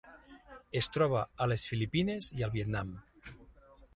Es troba a les Filipines i al Vietnam.